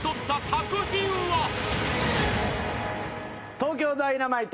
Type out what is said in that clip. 東京ダイナマイト。